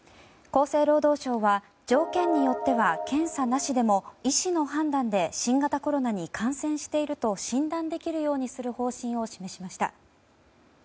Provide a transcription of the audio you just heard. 厚生労働省は条件によっては検査なしでも医師の判断で新型コロナに感染していると診断できるようにする方針を示しました。